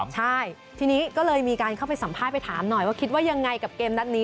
ใช่ทีนี้ก็เลยมีการเข้าไปสัมภาษณ์ไปถามหน่อยว่าคิดว่ายังไงกับเกมนัดนี้